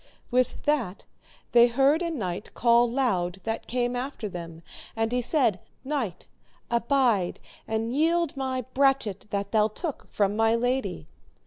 With that they heard a knight call loud that came after them, and he said, Knight, abide and yield my brachet that thou took from my lady.